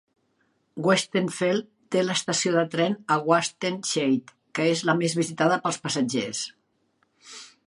Westenfeld té l'estació de tren a Wattenscheid, que és la més visitada pels passatgers.